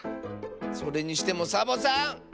それにしてもサボさん！